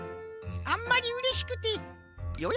あんまりうれしくてよ